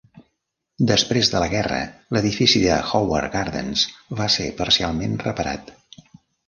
Després de la guerra, l'edifici de Howard Gardens va ser parcialment reparat.